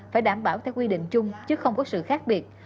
phải đảm bảo theo quy định chung chứ không có sự khác biệt